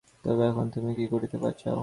তবে, এখন তুমি কী করিতে চাও।